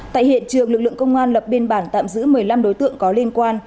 tại hiện trường lực lượng công an lập biên bản tạm giữ một mươi năm đối tượng có liên quan